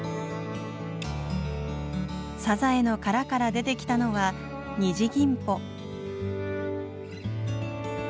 サザエの殻から出てきたのは二ジギンポ。